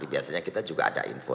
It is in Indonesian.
biasanya kita juga ada info